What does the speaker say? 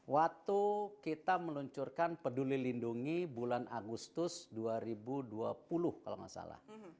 waktu kita meluncurkan peduli lindungi bulan agustus dua ribu dua puluh kalau nggak salah